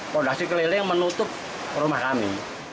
produksi keliling menutup rumah kami